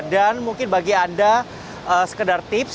dan mungkin bagi anda sekedar tips